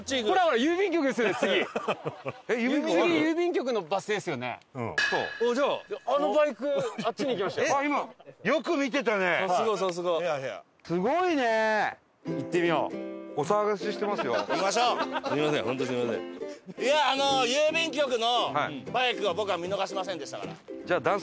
郵便局のバイクを僕は見逃しませんでしたから。